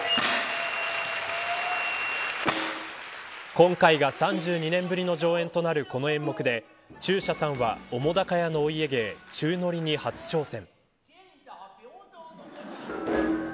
今回が３２年ぶりの上演となるこの演目で中車さんは、澤瀉屋のお家芸宙乗りに初挑戦。